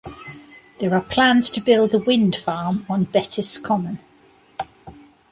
There are plans to build a wind farm on Betws Common.